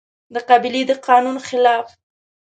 د قبيلې د قانون خلاف